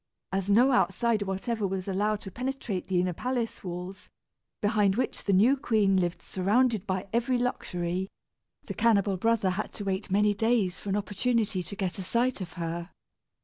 As no outsider whatever was allowed to penetrate the inner palace walls, behind which the new queen lived surrounded by every luxury, the cannibal brother had to wait many days for an opportunity to get a sight of her.